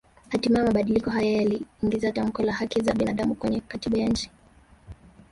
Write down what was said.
Hatimaye mabadiliko haya yaliingiza tamko la haki za binaadamu kwenye katiba ya nchi